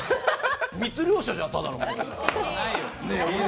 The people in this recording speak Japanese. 密漁者じゃん、ただの。